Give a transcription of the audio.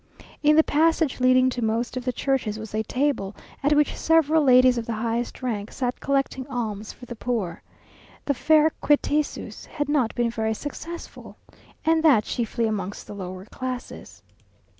In the passage leading to most of the churches was a table, at which several ladies of the highest rank sat collecting alms for the poor. The fair queteuses had not been very successful, and that chiefly amongst the lower classes.